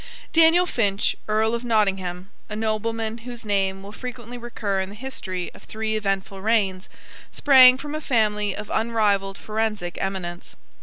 Daniel Finch, Earl of Nottingham, a nobleman whose name will frequently recur in the history of three eventful reigns, sprang from a family of unrivalled forensic eminence.